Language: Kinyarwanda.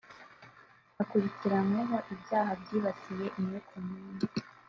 akurikiranyweho ibyaha byibasiye inyokomuntu